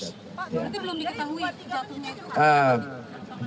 berarti belum diketahui jatuhnya itu